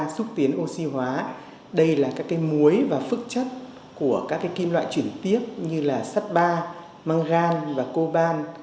xúc tiến oxy hóa đây là các cái muối và phức chất của các cái kim loại chuyển tiếp như là sắt ba mangan và coban